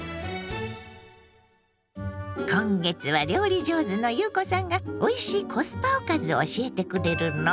今月は料理上手の裕子さんがおいしいコスパおかずを教えてくれるの。